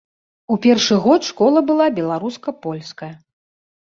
У першы год школа была беларуска-польская.